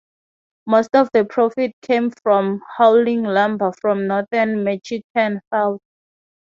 Most of the profit came from hauling lumber from northern Michigan south.